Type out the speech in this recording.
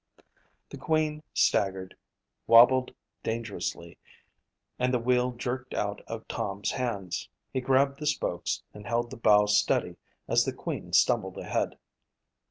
The Queen staggered, wabbled dangerously, and the wheel jerked out of Tom's hands. He grabbed the spokes and held the bow steady as the Queen stumbled ahead.